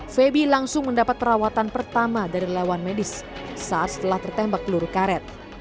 febi langsung mendapat perawatan pertama dari lawan medis saat setelah tertembak peluru karet